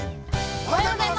◆おはようございます。